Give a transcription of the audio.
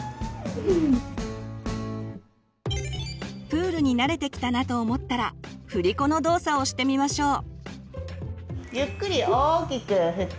プールに慣れてきたなと思ったらふりこの動作をしてみましょう。